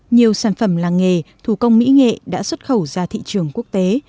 nhiều sản phẩm làng nghề thủ công mỹ nghệ đã xuất khẩu ra thị trường quốc tế